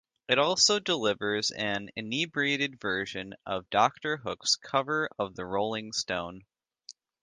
It also delivers an inebriated version of Doctor Hook's Cover of the Rolling Stone.